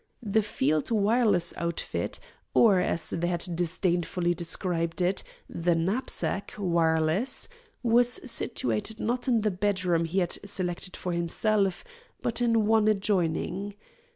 The field wireless outfit, or, as he had disdainfully described it, the "knapsack" wireless, was situated not in the bedroom he had selected for himself, but in one adjoining.